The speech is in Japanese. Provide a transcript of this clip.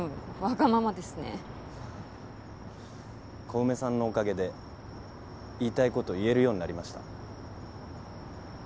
小梅さんのおかげで言いたいこと言えるようになりました。